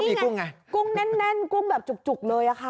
นี่ไงกุ้งแน่นกุ้งแบบจุกเลยอ่ะค่ะ